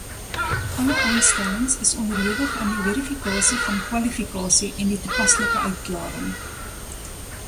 Alle aanstellings is onderhewig aan die verifikasie van kwalifikasie en die toepaslike uitklaring.